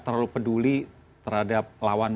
terlalu peduli terhadap lawan